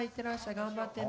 頑張ってね。